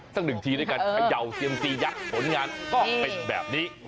สักหนึ่งทีด้วยการเขย่าเซียมซียักษ์ผลงานก็เป็นแบบนี้